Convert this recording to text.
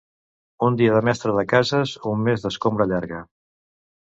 Un dia de mestre de cases, un mes d'escombra llarga.